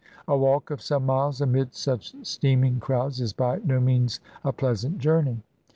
A walk of some miles amid such steaming crowds is by no means a pleasant journey.